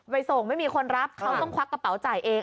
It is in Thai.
ส่งไม่มีคนรับเขาต้องควักกระเป๋าจ่ายเอง